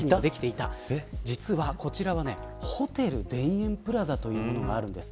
実はこちらはホテル田園プラザというものがあるんです。